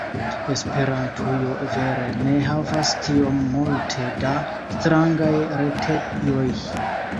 Esperantujo vere ne havas tiom multe da strangaj retejoj.